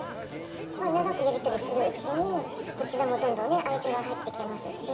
長くやり取りするうちに、こちらもどんどん愛情が入ってきますし。